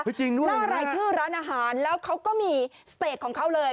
เฮ้ยจริงด้วยร้านอาหารแล้วเขาก็มีของเขาเลย